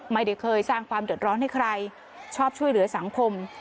ไม่ได้เคยสร้างความเดือดร้อนให้ใครชอบช่วยเหลือสังคม